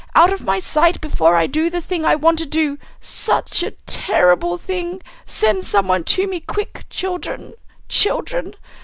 Out of my sight before I do the thing I want to do! Such a terrible thing! Send some one to me quick, children, children!